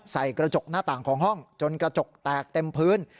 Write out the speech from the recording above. ใส่กระจกหน้าต่างของห้องจนกระจกแตกเต็มพื้น